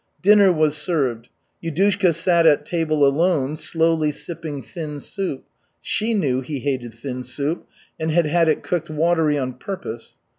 Dinner was served. Yudushka sat at table alone slowly sipping thin soup (she knew he hated thin soup and had had it cooked watery on purpose).